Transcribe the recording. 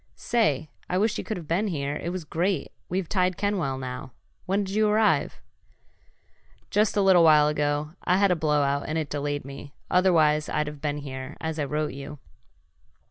"Say, I wish you could have been here. It was great! We've tied Kenwell now. When'd you arrive?" "Just a little while ago. I had a blowout and it delayed me, otherwise I'd have been here, as I wrote you."